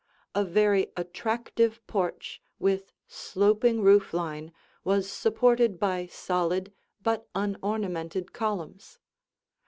A very attractive porch with sloping roof line was supported by solid but unornamented columns.